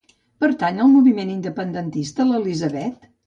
Pertany al moviment independentista l'Elisabet?